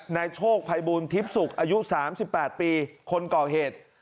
นายโชคไพบูลทิพศุกร์อายุสามสิบแปดปีคนเกาะเหตุ